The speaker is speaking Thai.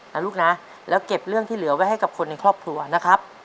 นะลูกนะแล้วเก็บเรื่องที่เหลือไว้ให้กับคนในครอบครัวนะครับ